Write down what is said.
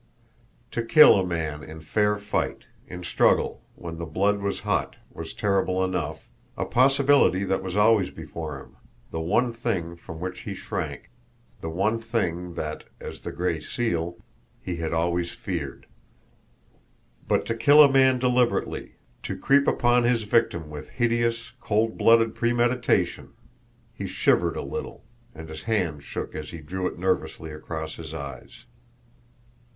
To kill a man in fair fight, in struggle, when the blood was hot, was terrible enough, a possibility that was always before him, the one thing from which he shrank, the one thing that, as the Gray Seal, he had always feared; but to kill a man deliberately, to creep upon his victim with hideous, cold blooded premeditation he shivered a little, and his hand shook as he drew it nervously across his eyes.